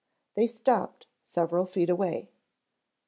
They stopped several feet away.